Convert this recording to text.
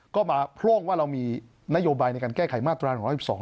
ก็มาโพร่งว่าเรามีนโยบายในการแก้ไขมาตรา๑๑๒